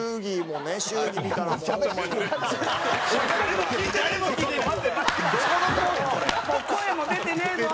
もう声も出てねえぞ。